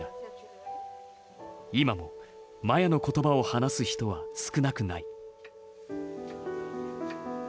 今もマヤの言葉を話す人は少なくない。